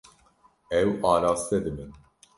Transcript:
Ew araste dibin.